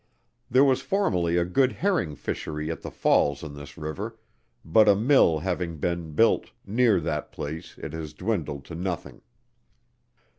There was formerly a good herring fishery at the falls in this river, but a mill having been built near that place it has dwindled to nothing.